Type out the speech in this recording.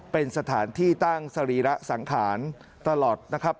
เป็นสถานที่ตั้งสรีระสังขารตลอดนะครับ